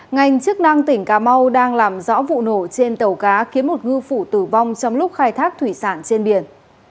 ngành chức năng tỉnh cà mau đang làm rõ vụ nổ trên tàu cá khiến một ngư phủ tử vong trong lúc khai thác thủy sản trên biển